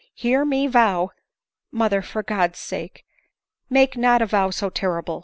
Hear me vow "" Mother, for God's sake, make not a vow so terrible